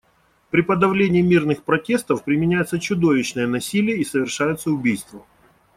При подавлении мирных протестов применяется чудовищное насилие и совершаются убийства.